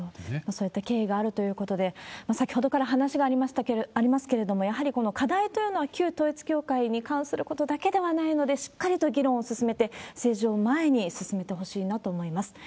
そういった経緯があるということで、先ほどから話がありますけれども、やはりこの課題というのは、旧統一教会に関することだけではないので、しっかりと議論を進めて政治を前に進めてほしいなと思います。